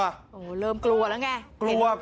โหเริ่มกลัวแล้วไง